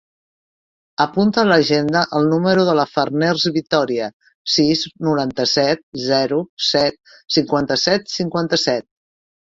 Apunta a l'agenda el número de la Farners Vitoria: sis, noranta-set, zero, set, cinquanta-set, cinquanta-set.